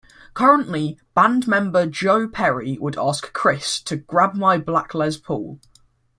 Currently, band member Joe Perry would ask "Chris" to "grab my black Les Paul.